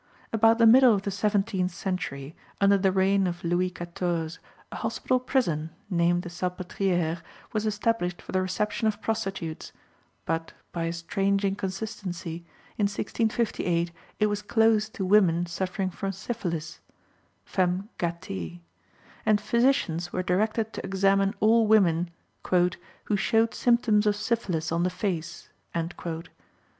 About the middle of the seventeenth century, under the reign of Louis XIV., a hospital prison, named the Salpétrière, was established for the reception of prostitutes; but, by a strange inconsistency, in 1658 it was closed to women suffering from syphilis (femmes gatées), and physicians were directed to examine all women "who showed symptoms of syphilis on the face."